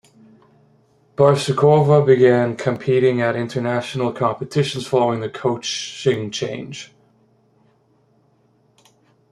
Barsukova began competing at international competitions following the coaching change.